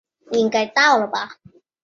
短穗山姜为姜科山姜属下的一个种。